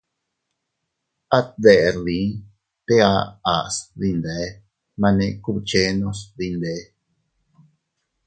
At deʼer dii te a aʼas dinde, mane kubchenos dinde.